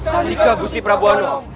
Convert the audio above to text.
sandika gusti prabowo